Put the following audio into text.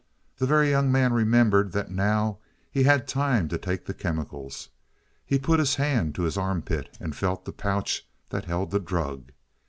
The Very Young Man remembered that now he had time to take the chemicals. He put his hand to his armpit and felt the pouch that held the drug.